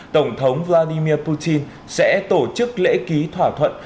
tổng thống vladimir putin sẽ tổ chức lễ ký thỏa thuận